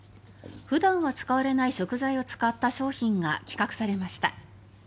普段は使われない食材を使った商品が企画されました。